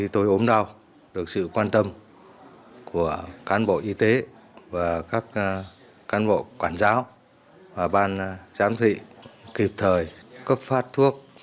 tối ốm đau được sự quan tâm của cán bộ y tế và các cán bộ quản giáo và ban giám thị kịp thời cấp phát thuốc